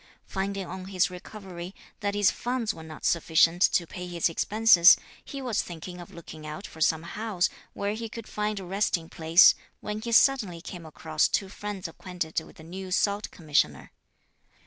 Finding on his recovery, that his funds were not sufficient to pay his expenses, he was thinking of looking out for some house where he could find a resting place when he suddenly came across two friends acquainted with the new Salt Commissioner.